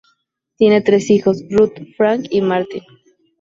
Tienen tres hijos: Ruth, Frank y Martin.